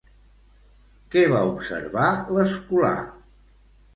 Què va observar l'escolà?